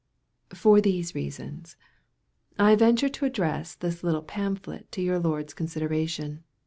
For these reasons, I venture to address this little Pamphlet to your Lordship's consideration.